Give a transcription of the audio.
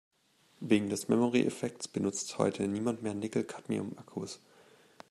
Wegen des Memory-Effekts benutzt heute niemand mehr Nickel-Cadmium-Akkus.